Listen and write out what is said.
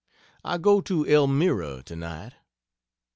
I go to Elmira tonight.